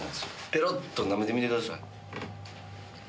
ペロっとなめてみてください。